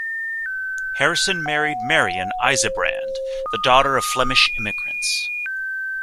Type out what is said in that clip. Harrison married Marion Isebrand, the daughter of Flemish immigrants.